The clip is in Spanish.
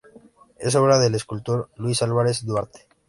Es obra del escultor Luis Álvarez Duarte.